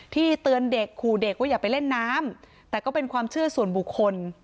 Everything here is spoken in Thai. เตือนเด็กขู่เด็กว่าอย่าไปเล่นน้ำแต่ก็เป็นความเชื่อส่วนบุคคล